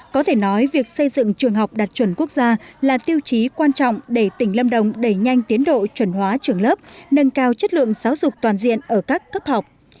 có thể nói việc xây dựng trường học đạt chuẩn quốc gia là tiêu chí quan trọng để tỉnh lâm đồng đẩy nhanh tiến độ chuẩn hóa trường lớp nâng cao chất lượng giáo dục toàn diện ở các cấp học